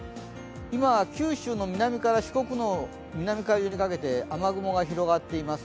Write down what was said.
今、九州の南から四国の南海上にかけて雨雲が広がっています。